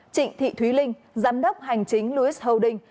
trịnh thị thúy linh giám đốc hành chính louis holding